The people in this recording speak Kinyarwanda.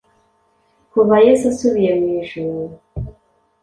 Kuva Yesu asubiye mu ijuru,